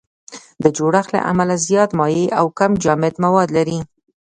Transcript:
د جوړښت له امله زیات مایع او کم جامد مواد لري.